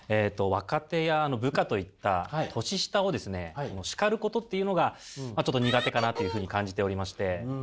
若手や部下といった年下をですね叱ることっていうのがちょっと苦手かなというふうに感じておりまして。